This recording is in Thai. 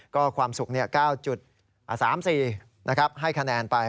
ก็ความสุข๙๓๔นะครับให้คะแนนไป